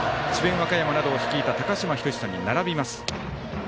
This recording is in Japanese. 和歌山などを率いた高橋さんに続きます。